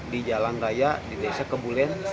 di jalan raya di desa kebulen